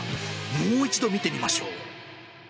もう一度見てみましょう。